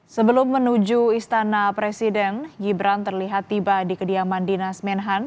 sebelum menuju istana presiden gibran terlihat tiba di kediaman dinas menhan